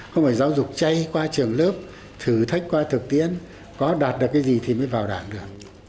không phải giáo dục chay qua trường lớp thử thách qua thực tiễn có đạt được cái gì thì mới vào đảng được